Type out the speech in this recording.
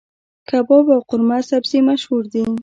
کباب او قورمه سبزي مشهور دي.